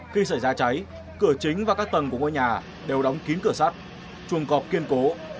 khi xảy ra cháy cửa chính và các tầng của ngôi nhà đều đóng kín cửa sắt chuồng cọp kiên cố